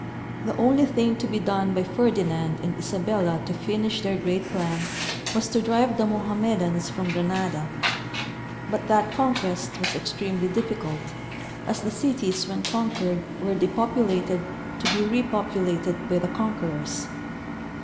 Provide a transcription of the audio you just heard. The only thing to be done by Ferdinand and Isabella to finish their great plan was to drive the Mohammedans from Granada ; but that conquest was extremely difficult, as the cities when conquered were depopulated to be repopulated by the conquerors.